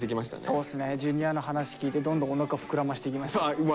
そうっすねＪｒ．の話聞いてどんどんおなか膨らませていきましょう。